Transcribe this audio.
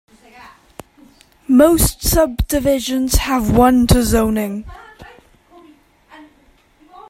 Most subdivisions have one to zoning.